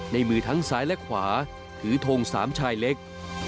ในมือทั้งซ้ายและขวาถือทงสามชายเล็ก